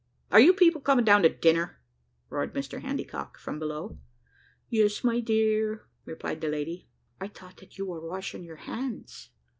"Are you people coming down to dinner?" roared Mr Handycock from below. "Yes, my dear," replied the lady; "I thought that you were washing your hands."